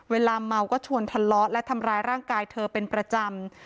เวลาเมาก็ชวนทะเลาะและทำร้ายร่างกายเธอเป็นประจำ